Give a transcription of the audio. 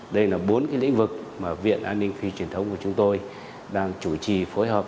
đây là bốn cái lĩnh vực mà viện an ninh phi truyền thống của chúng tôi đang chủ trì phối hợp